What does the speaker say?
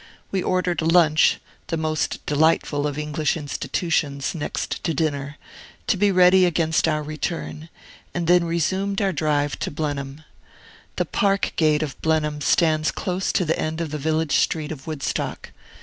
We ordered a lunch (the most delightful of English institutions, next to dinner) to be ready against our return, and then resumed our drive to Blenheim. The park gate of Blenheim stands close to the end of the village street of Woodstock.